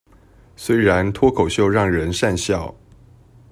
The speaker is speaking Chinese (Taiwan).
雖然脫口秀讓人訕笑